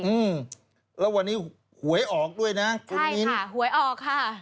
อืมแล้ววันนี้หวยออกด้วยนะคุณมินค่ะหวยออกค่ะ